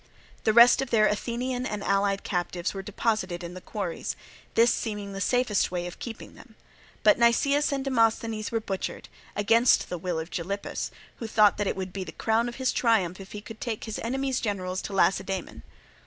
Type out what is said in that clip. The rest of their Athenian and allied captives were deposited in the quarries, this seeming the safest way of keeping them; but Nicias and Demosthenes were butchered, against the will of Gylippus, who thought that it would be the crown of his triumph if he could take the enemy's generals to Lacedaemon.